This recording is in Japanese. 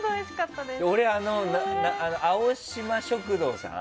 俺、青島食堂さん